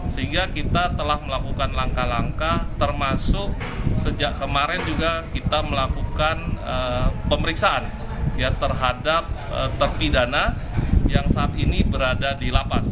sehingga kita telah melakukan langkah langkah termasuk sejak kemarin juga kita melakukan pemeriksaan terhadap terpidana yang saat ini berada di lapas